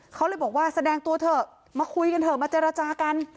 เขาเลยบอกว่าแสดงตัวเถอะมาคุยกันเถอะมาเจรจากัน